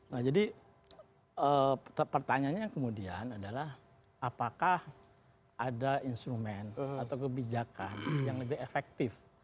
nah jadi pertanyaannya kemudian adalah apakah ada instrumen atau kebijakan yang lebih efektif